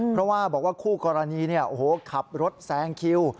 เพราะว่าคู่กรณีเนี่ยขับรถแซงคิว